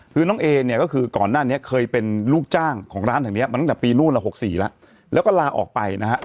คือน้องเอเนี่ยก็คือก่อนหน้านี้เคยเป็นลูกจ้างของร้านแห่งนี้มาตั้งแต่ปีนู่นละ๖๔แล้วแล้วก็ลาออกไปนะครับ